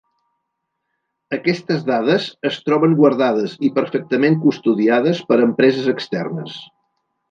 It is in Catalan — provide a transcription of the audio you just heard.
Aquestes dades es troben guardades i perfectament custodiades per empreses externes.